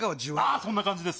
そんな感じです。